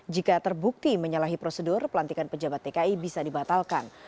jika terbukti menyalahi prosedur pelantikan pejabat dki bisa dibatalkan